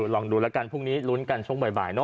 ลองดูแล้วกันพรุ่งนี้ลุ้นกันช่วงบ่ายเนอ